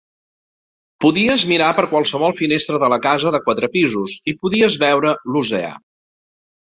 Podies mirar per qualsevol finestra de la casa de quatre pisos i podies veure l'oceà.